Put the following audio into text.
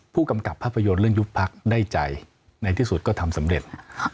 ผู้กำกับภาพยนตร์เรื่องยุบพักได้ใจในที่สุดก็ทำสำเร็จ